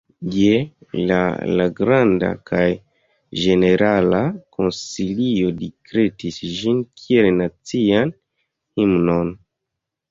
Je la la Granda kaj Ĝenerala Konsilio dekretis ĝin kiel nacian himnon.